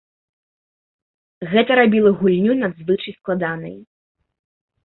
Гэта рабіла гульню надзвычай складанай.